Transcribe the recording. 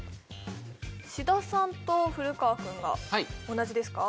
志田さんと古川君が同じですか？